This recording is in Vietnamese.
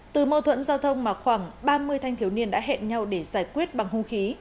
từ mâu thuẫn giao thông mà khoảng ba mươi thanh thiếu niên đã hẹn nhau để giải quyết bằng hung khí